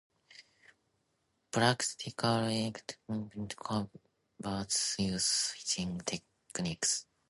Practical electronic converters use switching techniques.